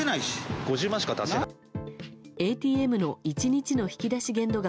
ＡＴＭの１日の引き出し限度額